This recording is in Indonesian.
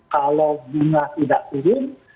kalau bunga tidak turun